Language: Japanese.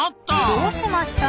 どうしました？